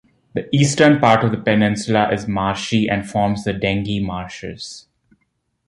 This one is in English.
The eastern part of the peninsula is marshy and forms the Dengie Marshes.